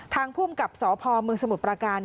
ทางภูมิกับสพมสมุทรประการ